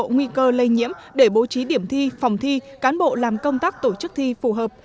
nguy cơ lây nhiễm để bố trí điểm thi phòng thi cán bộ làm công tác tổ chức thi phù hợp